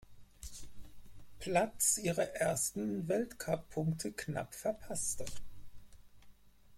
Platz ihre ersten Weltcup-Punkte knapp verpasste.